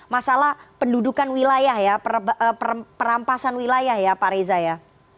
masalah pendudukan wilayah perampasan wilayah ya pak reza